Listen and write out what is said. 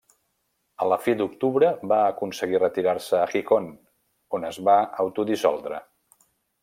A la fi d'octubre va aconseguir retirar-se a Gijón, on es va autodissoldre.